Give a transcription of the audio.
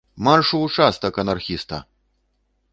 Марш ў участак, анархіста!